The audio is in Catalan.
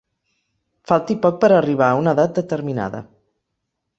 Falti poc per arribar a una edat determinada.